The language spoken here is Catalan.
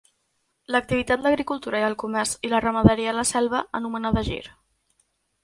L'activitat l'agricultura i el comerç i la ramaderia a la selva anomenada Gir.